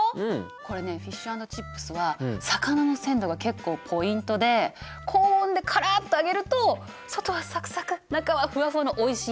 これねフィッシュ＆チップスは魚の鮮度が結構ポイントで高温でカラッと揚げると外はサクサク中はフワフワのおいしい